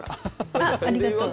あっありがとう。